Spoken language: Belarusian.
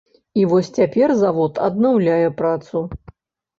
І вось цяпер завод аднаўляе працу.